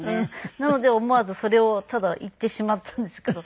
なので思わずそれをただ言ってしまったんですけど見ればわかりますよね